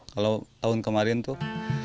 kalau tahun kemarin tuh